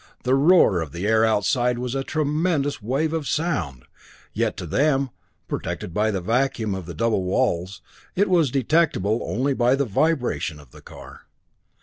The roar of the air outside was a tremendous wave of sound, yet to them, protected by the vacuum of the double walls, it was detectable only by the vibration of the car.